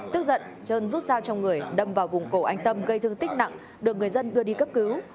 tức giận trơn rút dao trong người đâm vào vùng cổ anh tâm gây thương tích nặng được người dân đưa đi cấp cứu